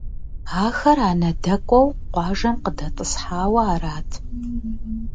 Ахэр анэдэкӏуэу къуажэм къыдэтӏысхьауэ арат.